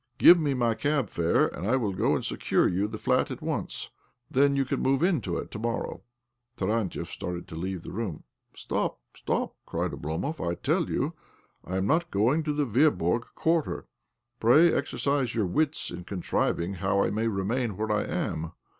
Give me my cab fare, and I will go and secure you the flat at once. Then you can move into it to morrow." Tarantiev started to leave the room. " Stop, stop !" cried Oblomov. " I tell you I am noi going to the Veaborg Quarter. Pray exercise your wits in contriving how I may remain where I am.